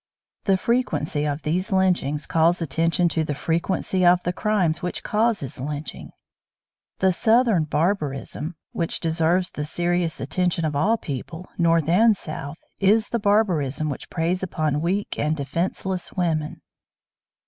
The frequency of these lynchings calls attention to the frequency of the crimes which causes lynching. The "Southern barbarism" which deserves the serious attention of all people North and South, is the barbarism which preys upon weak and defenseless women.